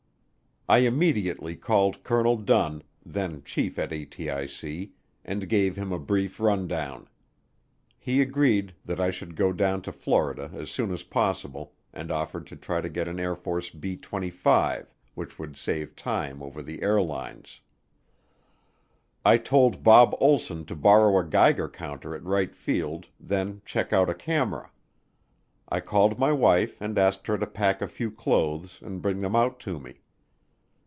I immediately called Colonel Dunn, then chief at ATIC, and gave him a brief rundown. He agreed that I should go down to Florida as soon as possible and offered to try to get an Air Force B 25, which would save time over the airlines. I told Bob Olsson to borrow a Geiger counter at Wright Field, then check out a camera. I called my wife and asked her to pack a few clothes and bring them out to me.